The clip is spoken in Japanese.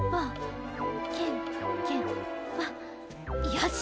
よし！